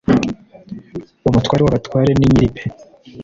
umutware wabatware ni nyiribe